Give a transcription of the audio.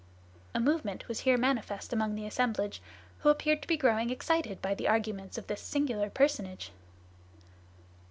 A movement was here manifest among the assemblage, who appeared to be growing excited by the arguments of this singular personage.